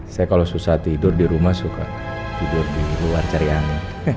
saya kalau susah tidur di rumah suka tidur di luar cari angin